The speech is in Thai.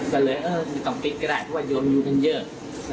ก็เลยเออว่าต้องปิดก็ได้เพราะว่ามีการรวมลงอยู่กันเยอะ